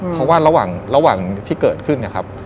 เพราะว่าระหว่างที่เกิดขึ้นนะครับ